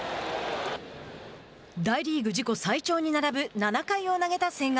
大リーグ自己最長に並ぶ７回を投げた千賀。